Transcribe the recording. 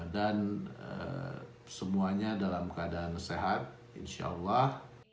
dan semuanya dalam keadaan sehat insya allah